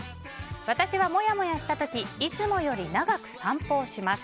私はもやもやした時いつもより長く散歩をします。